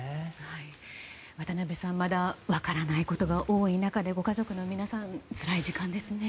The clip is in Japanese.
渡辺さんまだ分からないことが多い中でご家族の皆さんつらい時間ですね。